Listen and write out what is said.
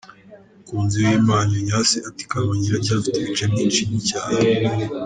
Mukunziwimana Ignace ati «Kamonyi iracyafite ibice byinshi by’icyaro.